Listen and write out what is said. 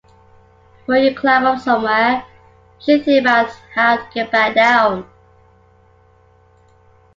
Before you climb up somewhere, you should think about how to get back down.